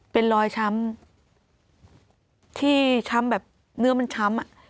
เป็นรอยช้ำที่ช้ำแบบเนื้อมันช้ำ